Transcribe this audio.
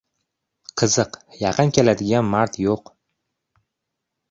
Qiziq, yaqin keladigan mard yo‘q!